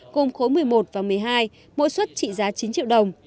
gồm khối một mươi một và một mươi hai mỗi xuất trị giá chín triệu đồng